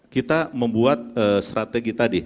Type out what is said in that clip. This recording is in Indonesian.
kita membuat strategi tadi